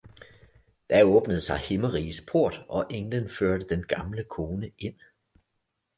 Da åbnede sig Himmeriges port og englen førte den gamle kone ind.